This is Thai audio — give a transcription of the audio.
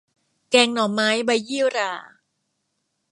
แกงหน่อไม้ใบยี่หร่า